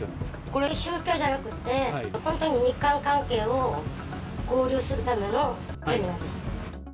これは宗教じゃなくて、本当に日韓関係を、交流するためのセミナーです。